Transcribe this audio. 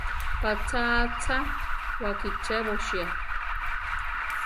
Patzá achá wakichébosia.